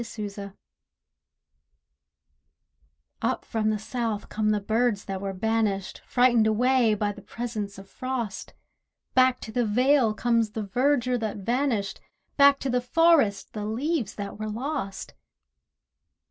NO SPRING Up from the South come the birds that were banished, Frightened away by the presence of frost. Back to the vale comes the verdure that vanished, Back to the forest the leaves that were lost.